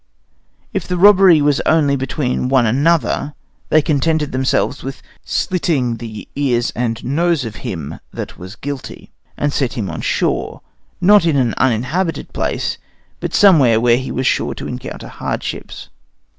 If the robbery was only between one another, they contented themselves with slitting the ears and nose of him that was guilty, and set him on shore, not in an uninhabited place, but somewhere where he was sure to encounter hardships.